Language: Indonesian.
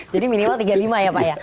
jadi minimal tiga puluh lima ya pak ya